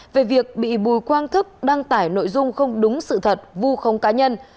về việc bị bùi quang thức đăng tải nội dung không đúng sự thật vu khống cá nhân